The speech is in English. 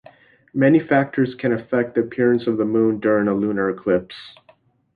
Many factors can affect the appearance of the Moon during a lunar eclipse.